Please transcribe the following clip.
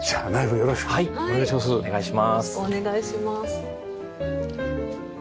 よろしくお願いします。